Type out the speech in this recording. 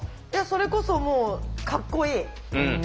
いやそれこそもうかっこいい。